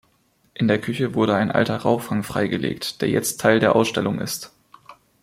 In der Küche wurde ein alter Rauchfang freigelegt, der jetzt Teil der Ausstellung ist.